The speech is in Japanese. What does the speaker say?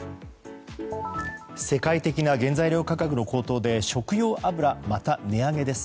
世界的な原材料価格の高騰で食用油がまた値上げです。